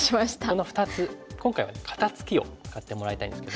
この２つ今回は肩ツキを使ってもらいたいんですけども。